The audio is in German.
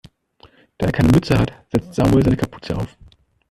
Da er keine Mütze hat, setzt Samuel seine Kapuze auf.